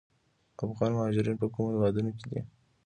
افغان مهاجرین په کومو هیوادونو کې دي؟